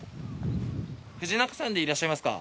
藤中さんでいらっしゃいますか？